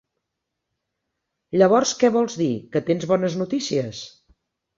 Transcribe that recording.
Llavors que vols dir que tens bones notícies?